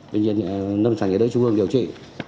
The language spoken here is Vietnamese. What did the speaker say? bệnh viện nâng sản nhà đối chung hương điều trị